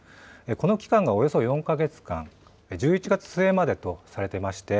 この期間がおよそ４か月間、１１月末までとされていまして、